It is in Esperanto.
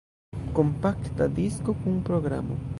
Kompakta disko kun programo.